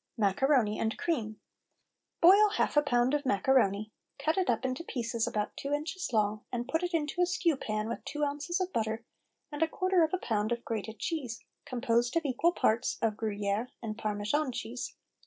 Macaroni and Cream. Boil half a pound of macaroni; cut it up into pieces about two inches long and put it into a stew pan with two ounces of butter and a quarter of a pound of grated cheese, composed of equal parts of Gruyere and Parmesan cheese.